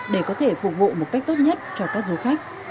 để có thể phục vụ một cách tốt nhất cho các du khách